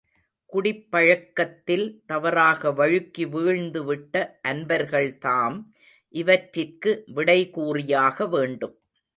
குடிப் பழக்கத்தில் தவறாக வழுக்கி வீழ்ந்துவிட்ட அன்பர்கள்தாம் இவற்றிற்கு விடை கூறியாக வேண்டும்.